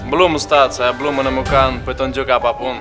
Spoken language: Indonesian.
belum ustadz saya belum menemukan petunjuk apapun